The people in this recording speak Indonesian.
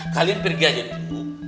kalian pergi aja dulu